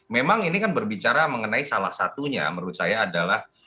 memang ini kan berbicara mengenai salah satunya menurut saya adalah